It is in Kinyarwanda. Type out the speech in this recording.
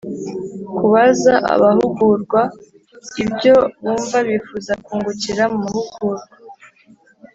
Kubaza abahugurwa ibyo bumva bifuza kungukira mu mahugurwa